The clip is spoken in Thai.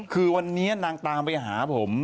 คือวันนี้นางตามไปหาผม